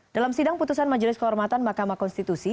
dalam sidang putusan majelis kehormatan mahkamah konstitusi